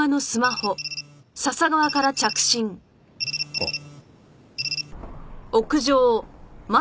あっ。